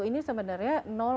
ini sebenarnya